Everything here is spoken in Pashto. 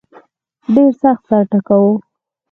ډېر سخت سر ټکاوه.